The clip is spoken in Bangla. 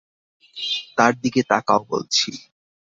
তার দিকে তাকাও বলছি!